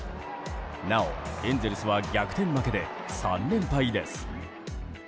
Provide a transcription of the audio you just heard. なお、エンゼルスは逆転負けで３連敗です。